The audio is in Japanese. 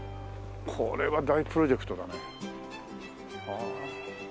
これは大プロジェクトだね。